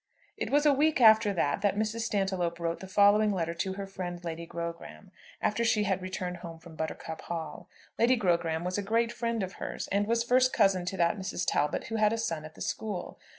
It was a week after that that Mrs. Stantiloup wrote the following letter to her friend Lady Grogram, after she had returned home from Buttercup Hall. Lady Grogram was a great friend of hers, and was first cousin to that Mrs. Talbot who had a son at the school.